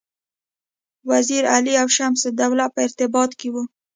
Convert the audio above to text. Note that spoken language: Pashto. وزیر علي او شمس الدوله په ارتباط کې وه.